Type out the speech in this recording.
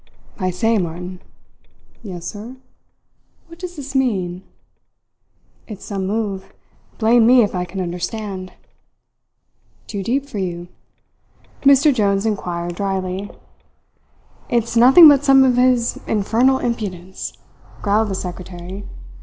"I say, Martin!" "Yes, sir." "What does this mean?" "It's some move. Blame me if I can understand." "Too deep for you?" Mr. Jones inquired dryly. "It's nothing but some of his infernal impudence," growled the secretary.